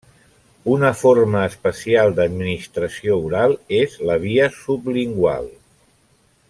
Una forma especial d'administració oral és la via sublingual.